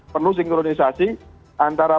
perlu sinkronisasi antara